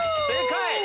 正解！